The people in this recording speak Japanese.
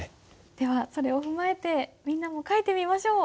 ではそれを踏まえてみんなも書いてみましょう。